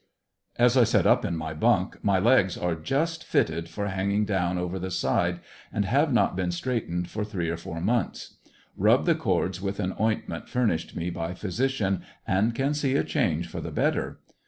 As I set up in my bunk my legs are just fitted for hanging down over the side, and have not been straightened for three or four months Rub the cords with an oint ment furnished me by physician and can see a change for the better.